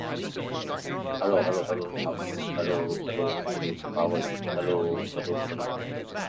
They call everything by names different from the ordinary ones.